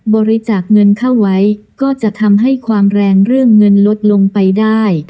บริจาคเงินเข้าไว้ก็จะทำให้ความแรงเรื่องเงินลดลงไปได้